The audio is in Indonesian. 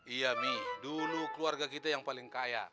iya mi dulu keluarga kita yang paling kaya